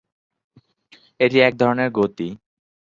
এটি এক ধরনের গতি।